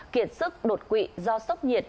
kiệt sức đột quỵ do sốc nhiệt